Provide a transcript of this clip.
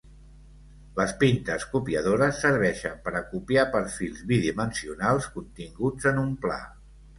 Les pintes copiadores serveixen per a copiar perfils bidimensionals continguts en un pla.